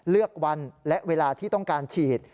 เลือกวันและเวลาที่ต้องการฉีด